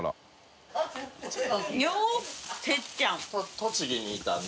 栃木にいたんで。